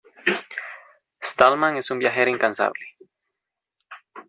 Stallman es un viajero incansable.